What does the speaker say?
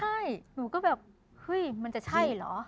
ใช่หนูก็แบบเฮ้ยมันจะใช่เหรอ